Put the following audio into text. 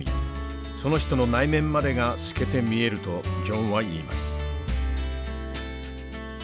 その人の内面までが透けて見えるとジョンは言います。